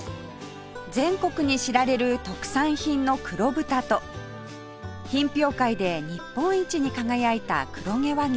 全国に知られる特産品の黒豚と品評会で日本一に輝いた黒毛和牛